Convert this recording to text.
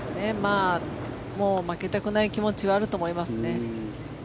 負けたくない気持ちはあると思いますね。